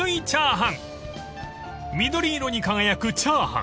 ［緑色に輝くチャーハン。